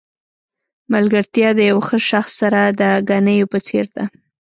ملګرتیا د یو ښه شخص سره د ګنیو په څېر ده.